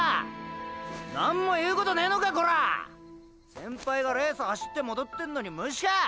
先輩がレース走って戻ってんのに無視かァ⁉